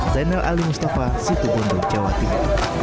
saya nel ali mustafa situ bondok jawa tiga